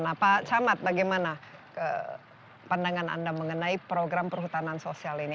nah pak camat bagaimana pandangan anda mengenai program perhutanan sosial ini